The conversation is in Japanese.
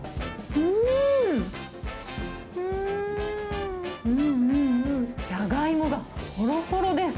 うんうんうん、じゃがいもがほろほろです。